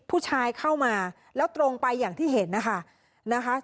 เข้ามาแล้วตรงไปอย่างที่เห็นนะคะ